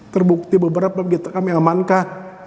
terbukti beberapa gitar kami amankan